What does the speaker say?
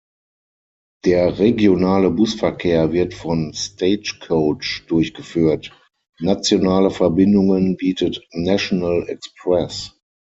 Der regionale Busverkehr wird von Stagecoach durchgeführt; nationale Verbindungen bietet "National Express".